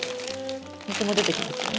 水も出てきますよね。